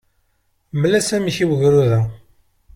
Mel-as amek i ugrud-a.